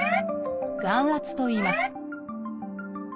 「眼圧」といいます。